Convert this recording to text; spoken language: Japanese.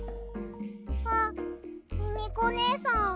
あミミコねえさん。